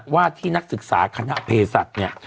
ว่าที่นักศึกษาคณะเพศัตริย์เนี่ย